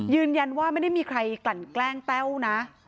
ยืนยันว่าไม่ได้มีใครกลั่นแกล้งแต้วนะ